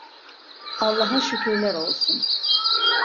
Allaha şükürler olsun!